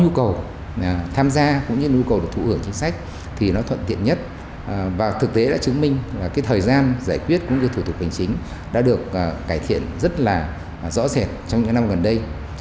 nhu cầu tham gia cũng như nhu cầu được thụ hưởng chính sách thì nó thuận tiện nhất và thực tế đã chứng minh là cái thời gian giải quyết cũng như thủ tục hành chính đã được cải thiện rất là rõ rệt trong những năm gần đây